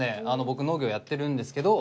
僕農業やってるんですけど。